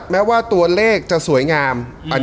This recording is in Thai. แม้ว่าตัวเลขจะสวยงาม